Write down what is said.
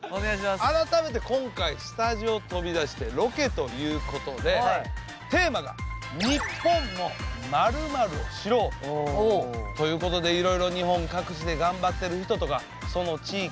改めて今回スタジオ飛び出してロケということでテーマが「ニッポンの○○をシロウ」ということでいろいろ日本各地で頑張ってる人とかその地域